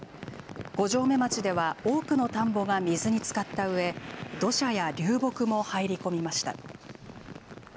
五城目町では、多くの田んぼが水につかったうえ、土砂や流木も入り込みました。